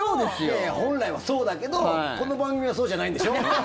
いや、本来はそうだけどこの番組はそうじゃないんでしょ？